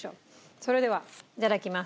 それではいただきます。